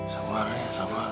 sama ya sama